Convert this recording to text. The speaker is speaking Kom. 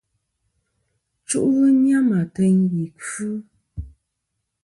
Chu'lɨ nyam ateyn ì kfɨ.